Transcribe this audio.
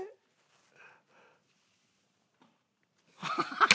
ハハハハ！